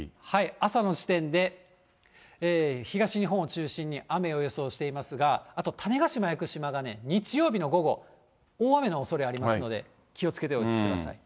朝の時点で東日本を中心に雨を予想していますが、あと、種子島・屋久島がね、日曜日の午後、大雨のおそれありますので、気をつけておいてください。